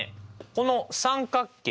この三角形